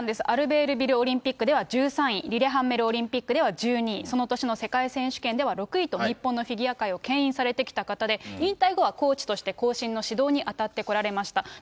アルベールビルオリンピックでは１３位、リレハンメルオリンピックでは１２位、その年の世界選手権では６位と、日本のフィギュア界をけん引されてきた方で、引退後はコーチとして後進の指導に当たってこられました。